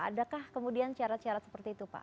adakah kemudian cara cara seperti itu pak